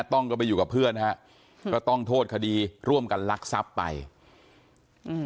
ต้องก็ไปอยู่กับเพื่อนฮะก็ต้องโทษคดีร่วมกันลักทรัพย์ไปอืม